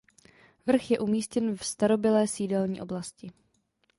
Vrch je umístěn v starobylé sídelní oblasti.